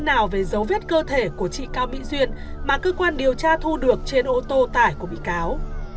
thế nào về dấu vết cơ thể của chị cao mỹ duyên mà cơ quan điều tra thu được trên ô tô tải của bị cáo